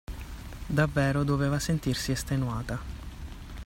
Davvero doveva sentirsi estenuata.